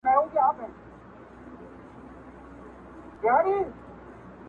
• ګړی وروسته به په دام کی وې لوېدلي -